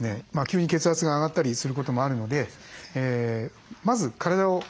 急に血圧が上がったりすることもあるのでまず体を少しあっためる。